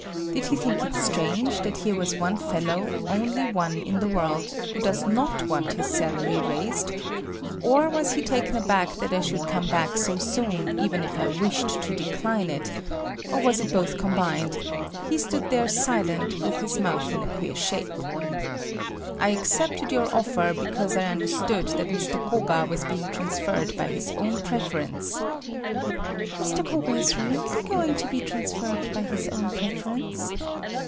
Did he think it strange that here was one fellow, only one in the world, who does not want his salary raised, or was he taken aback that I should come back so soon even if I wished to decline it, or was it both combined, he stood there silent with his mouth in a queer shape. "I accepted your offer because I understood that Mr. Koga was being transferred by his own preference……." "Mr. Koga is really going to be transferred by his own preference."